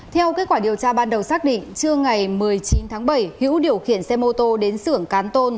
theo kết quả điều tra ban đầu xác định trưa ngày một mươi chín tháng bảy hữu điều khiển xe mô tô đến xưởng cán tôn